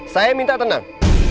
saya minta tenang